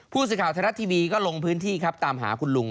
พี่ก็ลงพื้นที่ครับตามหาคุณลุง